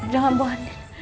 jangan bu andin